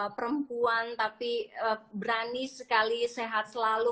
perempuan tapi berani sekali sehat selalu